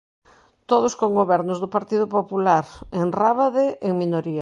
Todos con gobernos do Partido Popular, en Rábade en minoría.